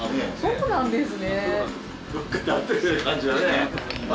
そうなんです。